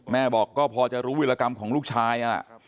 แม่บอกก็พอจะรู้วิรกรรมของลูกชาย